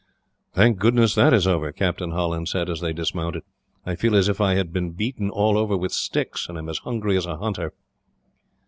"Thank goodness that is over!" Captain Holland said, as they dismounted. "I feel as if I had been beaten all over with sticks, and am as hungry as a hunter."